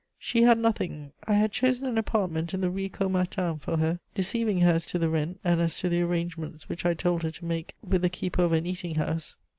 She had nothing; I had chosen an apartment in the Rue Caumartin for her, deceiving her as to the rent and as to the arrangements which I told her to make with the keeper of an eating house.